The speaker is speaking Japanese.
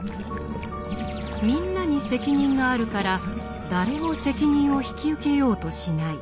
「みんな」に責任があるから誰も責任を引き受けようとしない。